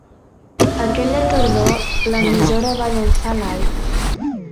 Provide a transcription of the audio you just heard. Aquella tardor, la emissora va llençar Live!